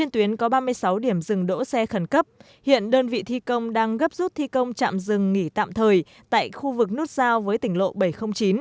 trần cấp hiện đơn vị thi công đang gấp rút thi công trạm rừng nghỉ tạm thời tại khu vực nút giao với tỉnh lộ bảy trăm linh chín